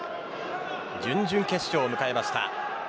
準々決勝を迎えました。